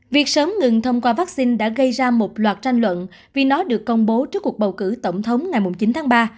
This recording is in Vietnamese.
việc sớm ngừng thông qua vaccine đã gây ra một loạt tranh luận vì nó được công bố trước cuộc bầu cử tổng thống ngày chín tháng ba